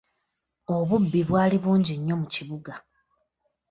Obubbi bwali bungi nnyo mu kibuga.